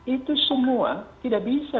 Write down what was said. itu semua tidak bisa